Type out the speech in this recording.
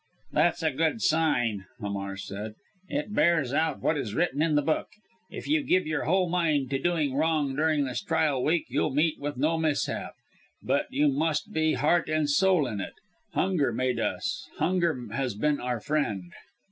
"That's a good sign," Hamar said. "It bears out what is written in the book. If you give your whole mind to doing wrong during this trial week you'll meet with no mishap. But you must be heart and soul in it. Hunger made us hunger has been our friend."